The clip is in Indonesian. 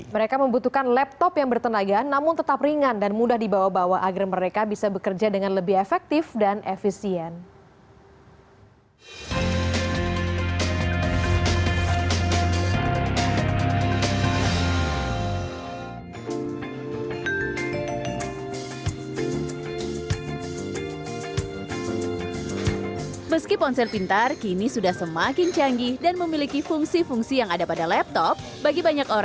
mereka membutuhkan laptop yang bertenagaan namun tetap ringan dan mudah dibawa bawa agar mereka bisa bekerja dengan lebih efektif dan efisien